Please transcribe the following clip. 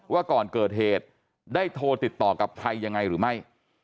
ว่าก่อนเกิดเหตุได้โทรติดต่อกับใครยังไงหรือไม่